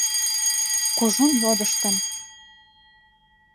Кужун йодыштын.